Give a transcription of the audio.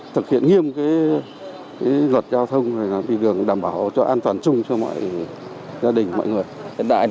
thực hiện nghiêm luật giao thông đảm bảo cho an toàn chung cho mọi gia đình mọi người